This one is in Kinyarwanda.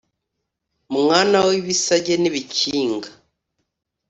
mwana w'ibisage n'ibikinga